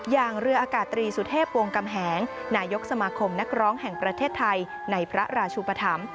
อย่างเรืออากาศตรีสุเทพวงกำแหงนายกสมาคมนักร้องแห่งประเทศไทยในพระราชุปธรรม